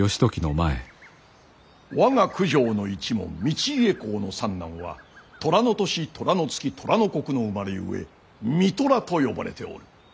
我が九条の一門道家公の三男は寅の年寅の月寅の刻の生まれゆえ三寅と呼ばれておる。